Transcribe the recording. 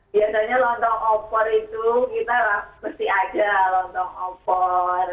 biasanya lontong opor itu kita bersih aja lontong opor